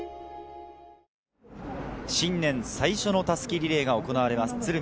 新年最初の襷リレーが行われます、鶴見